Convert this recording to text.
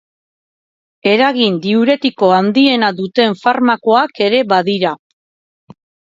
Eragin diuretiko handiena duten farmakoak ere badira.